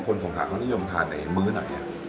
คนสงสัยเขานิยมทานไหนมื้อไหน